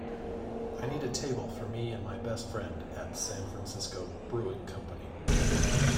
I need a table for me and my best friend at San Francisco Brewing Company.